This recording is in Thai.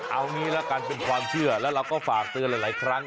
เอางี้ละกันเป็นความเชื่อแล้วเราก็ฝากเตือนหลายครั้ง